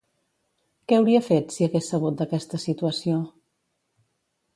Què hauria fet si hagués sabut d'aquesta situació?